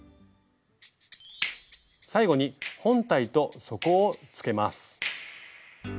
最後に本体と底をつけます。